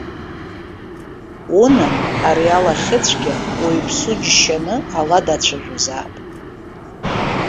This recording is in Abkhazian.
Унан, ари алахьыцәгьа, уаҩԥсу џьшьаны, ала дацәажәозаап.